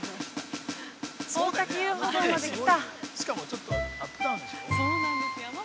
大滝遊歩道まで来た。